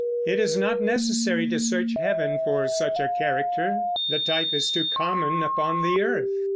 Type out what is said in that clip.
It is not necessary to search heaven for such a character; the type is too common upon earth.